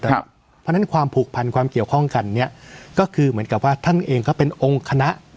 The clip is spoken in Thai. เพราะฉะนั้นความผูกพันความเกี่ยวข้องกันเนี่ยก็คือเหมือนกับว่าท่านเองก็เป็นองค์คณะ